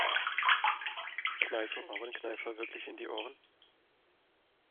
Kneifen Ohrenkneifer wirklich in die Ohren?